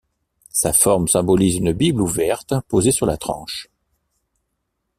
Sa forme symbolise une bible ouverte posée sur la tranche.